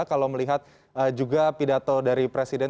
kalau melihat juga pidato dari presiden